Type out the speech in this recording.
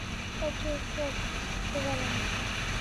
এটি একটি অতি পরিচিত জ্বালানি।